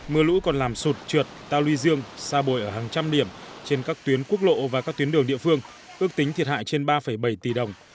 mưa lũ còn làm sụt trượt tao luy dương xa bồi ở hàng trăm điểm trên các tuyến quốc lộ và các tuyến đường địa phương ước tính thiệt hại trên ba bảy tỷ đồng